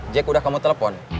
jack udah kamu telepon